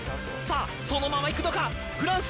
そのままいくのか、フランス。